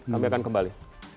kami akan kembali